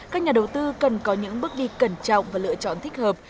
các nhà đầu tư cần có những bước đi cẩn trọng và lựa chọn thích hợp